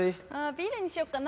ビールにしよっかな。